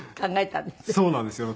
そうなんですよ。